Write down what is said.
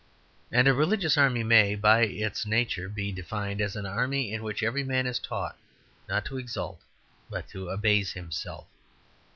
And a religious army may, by its nature, be defined as an army in which every man is taught not to exalt but to abase himself.